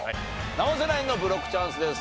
生瀬ナインのブロックチャンスです。